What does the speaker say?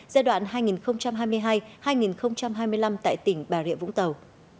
giai đoạn hai nghìn hai mươi hai hai nghìn hai mươi năm tại tỉnh bà rịa vũng tàu